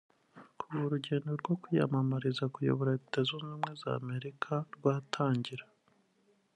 Kuva urugendo rwo kwiyamamariza kuyobora Leta Zunze Ubumwe za Amerika rwatangira